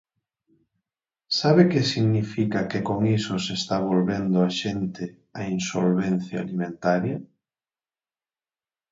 ¿Sabe que significa que con iso se está volvendo a xente á insolvencia alimentaria?